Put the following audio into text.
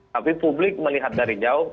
tapi publik melihat dari jauh